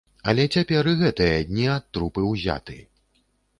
Але цяпер і гэтыя дні ад трупы ўзяты.